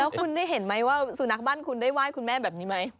แล้วคุณได้เห็นไหมว่าสุนัขบ้านคุณได้ไหว้คุณแม่แบบนี้ไหม